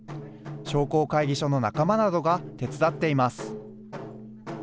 商工会議所の仲間などが手伝っています。